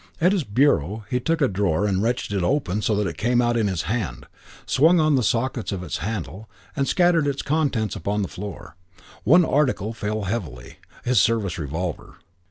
At his bureau he took a drawer and wrenched it open so that it came out in his hand, swung on the sockets of its handle, and scattered its contents upon the floor. One article fell heavily. His service revolver.